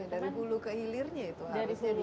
dari bulu ke hilirnya itu harus jadi benahi